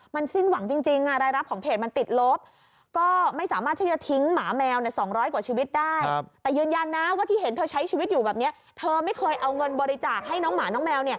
ไม่เคยเอาเงินบริจาคให้น้องหมาน้องแมว